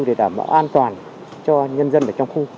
để đảm bảo an toàn cho nhân dân ở trong khu